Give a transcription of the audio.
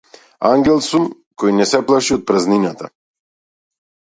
Ангел сум кој не се плаши од празнината.